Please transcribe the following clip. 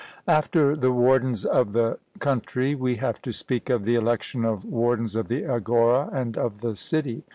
After the wardens of the country, we have to speak of the election of wardens of the agora and of the city.